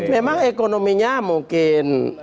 memang ekonominya mungkin